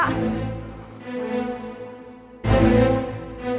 aku mau pergi